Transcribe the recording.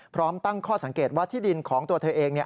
พร้อมตั้งข้อสังเกตว่าที่ดินของตัวเธอเอง